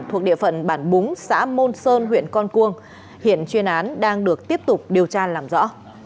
thuộc địa phận bản búng xã môn sơn huyện con cuông hiện chuyên án đang được tiếp tục điều tra làm rõ